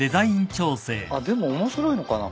あっでも面白いのかな？